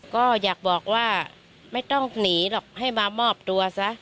ก็อยากบอกว่าไม่ต้องหนีหรอกให้มามอบตัวซะ